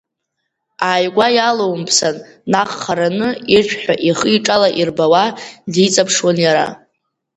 Ааигәа иалоумԥсан, наҟ хараны иршә ҳәа ихиҿала ирбауа, диҵаԥшуан иара.